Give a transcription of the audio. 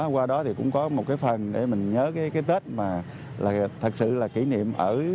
qua đó thì cũng có một cái phần để mình nhớ cái tết mà thật sự là kỷ niệm